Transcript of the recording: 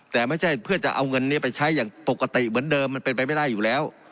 แต่ไม่ใช่เพื่อจะเอาเงินนี้ไปใช้อย่างปกติเหมือนเดิมมันเป็นไปไม่ได้อยู่แล้ว